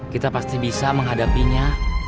kita pasti bisa menghadapinya